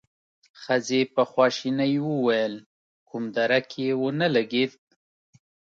ښځې په خواشينۍ وويل: کوم درک يې ونه لګېد؟